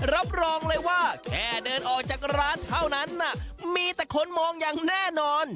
รับรองเลยว่าแค่เดินออกจากร้านเท่านั้นมีแต่คนมองอย่างแน่นอน